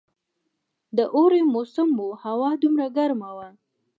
د اوړي موسم وو، هوا دومره ګرمه وه.